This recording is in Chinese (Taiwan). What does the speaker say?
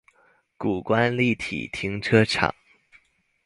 谷關立體停車場